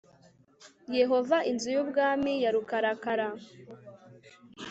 yehova inzu y ubwami ya rukarakara